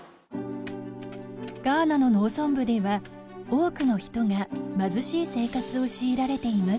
ガーナの農村部では多くの人が貧しい生活を強いられています。